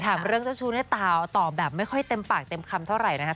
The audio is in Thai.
สำหรับเรื่องเจ้าชู้เนี่ยตาวตอบแบบไม่ค่อยเต็มปากเต็มคำเท่าไหร่นะ